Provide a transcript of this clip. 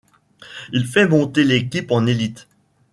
Il fait monter l'équipe en élite.